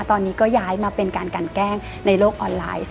ตอนนี้ก็ย้ายมาเป็นการกันแกล้งในโลกออนไลน์